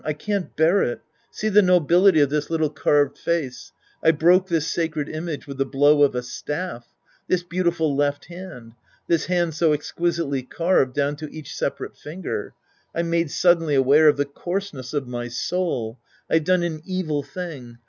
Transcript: I can't bear it. See the nobility of this little carved face. I broke this sacred image with the blow of a staff. This beautiful left hand. This hand so exquisitely carved down to each separate finger. I'm made'suddenly aware of the coarseness of my soul. I've done an evil thing.